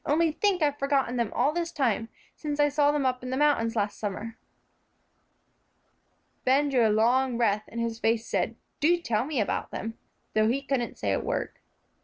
Only think, I've forgotten them all this time, since I saw them up in the mountains last summer." Ben drew a long breath, and his face said, "Do tell me about them," though he couldn't say a word.